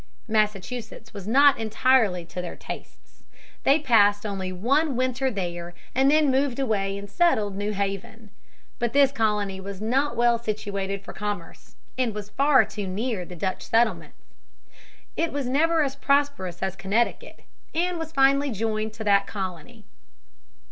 Massachusetts was not entirely to their tastes. They passed only one winter there and then moved away and settled New Haven. But this colony was not well situated for commerce, and was too near the Dutch settlements (p. 41). It was never as prosperous as Connecticut and was finally joined to that colony.